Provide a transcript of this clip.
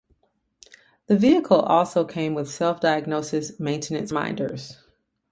The vehicle also came with self-diagnosis maintenance reminders.